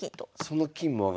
その金も上がる。